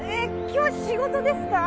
今日仕事ですか？